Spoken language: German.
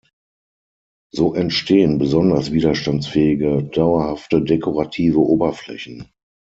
So entstehen besonders widerstandsfähige, dauerhafte dekorative Oberflächen.